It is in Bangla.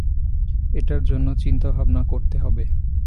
এটার জন্য চিন্তাভাবনা করতে হবে।